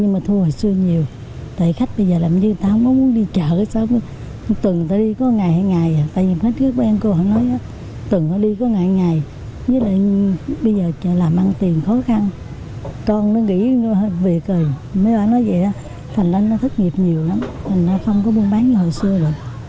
mấy bạn nói vậy á thành linh nó thất nghiệp nhiều lắm thành linh nó không có muốn bán như hồi xưa rồi